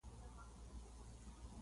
جګړه یوازینې لار ونه ګڼي.